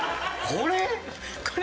これ！？